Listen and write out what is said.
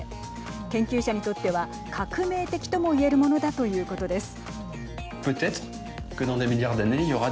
研究者にとっては革命的ともいえるものだということです。